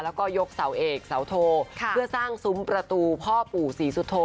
แล้วก็ยกเสาเอกเสาโทเพื่อสร้างซุ้มประตูพ่อปู่ศรีสุโธ